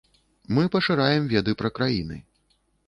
Мы пашыраем веды пра краіны.